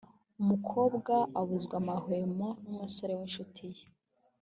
umukobwa abuzwa amahwemo n’umusore w’ incuti ye